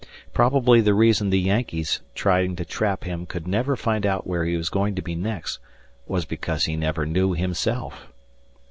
Probably the reason the "Yankees" trying to trap him could never find out where he was going to be next was because he never knew himself.